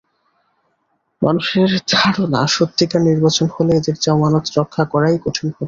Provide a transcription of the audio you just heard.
মানুষের ধারণা, সত্যিকার নির্বাচন হলে এঁদের জামানত রক্ষা করাই কঠিন হতো।